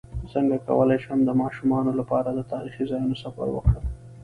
څنګه کولی شم د ماشومانو لپاره د تاریخي ځایونو سفر وکړم